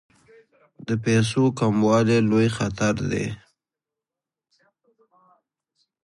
د پیسو کموالی لوی خطر دی.